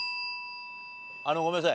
あのごめんなさい。